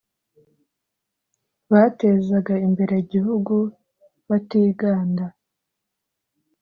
batezaga imbere igihugu batiganda